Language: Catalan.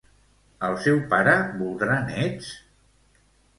El seu pare voldrà néts?